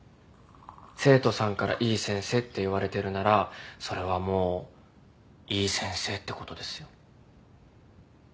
生徒さんからいい先生って言われてるならそれはもういい先生ってことですよ。